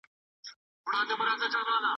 ماشوم په زوره خټ خټ خندل.